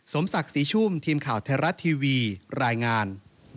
สมศักดิ์ศรีชุ่มทีมข่าวไทยรัฐทีวีรายงาน